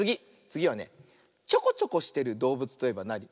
つぎはねちょこちょこしてるどうぶつといえばなに？